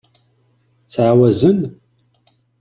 Ttɛawazen?